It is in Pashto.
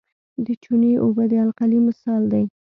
د چونې اوبه د القلي مثال دی.